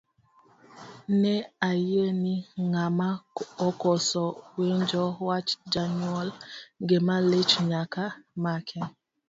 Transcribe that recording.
Ne ayie ni ng'ama okoso winjo wach janyuol, gima lich nyaka make.